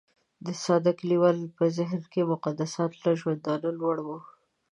د ساده کليوال په ذهن کې مقدسات له ژوندانه لوړ وو.